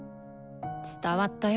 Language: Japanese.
伝わったよ。